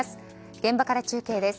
現場から中継です。